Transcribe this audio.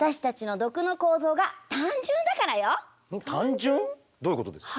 単純？どういうことですか？